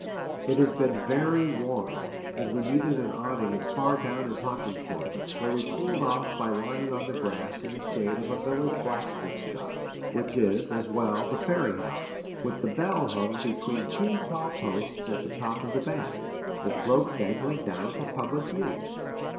It had been very warm, and we had needed an awning as far down as Hockingport, where we cooled off by lying on the grass in the shade of the village blacksmith's shop, which is, as well, the ferry house, with the bell hung between two tall posts at the top of the bank, its rope dangling down for public use.